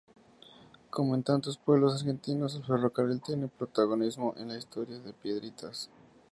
Como en tantos pueblos argentinos, el ferrocarril tiene protagonismo en la historia de Piedritas.